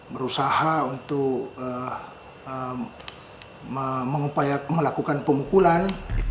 berusaha untuk melakukan pemukulan